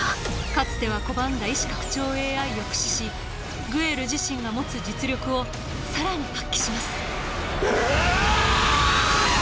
かつては拒んだ意思拡張ＡＩを駆使しグエル自身が持つ実力を更に発揮しますうお！